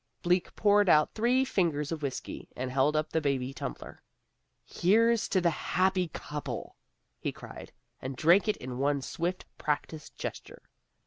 Bleak poured out three fingers of whiskey, and held up the baby tumbler. "Here's to the happy couple!" he cried, and drank it in one swift, practiced gesture.